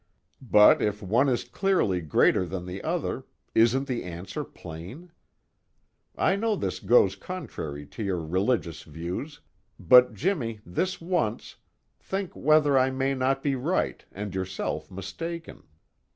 But if one is clearly greater than the other, isn't the answer plain? I know this goes contrary to your religious views, but Jimmy, this once, think whether I may not be right and yourself mistaken.